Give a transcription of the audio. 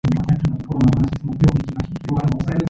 Shortly thereafter, she joined the Teen Titans.